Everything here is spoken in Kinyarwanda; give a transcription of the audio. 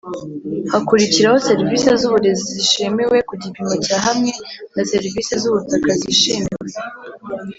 Hakurikiraho serivisi z uburezi zishimiwe ku gipimo cya hamwe na serivisi z ubutaka zishimiwe